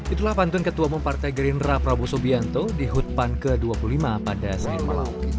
itulah pantun ketua umum partai gerindra prabowo subianto di hut pan ke dua puluh lima pada senin malam